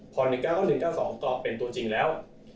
พอ๑๙๙๑๙๒ตอบเป็นตัวจริงแล้ว